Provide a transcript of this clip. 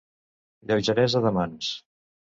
Lleugeresa de mans.